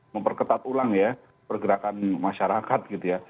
memperketat ulang ya pergerakan masyarakat gitu ya